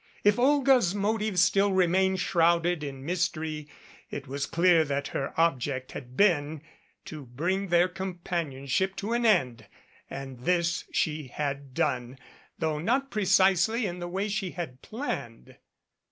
If Olga's motives still remained shrouded in mystery, it was clear that her object had been to bring their companionship to an end, and this she had done, though not precisely in the way that she had planned.